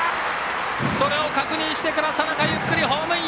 それを確認してから佐仲、ゆっくりホームイン！